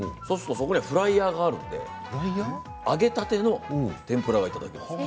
フライヤーがあるので揚げたての天ぷらがいただけるんです。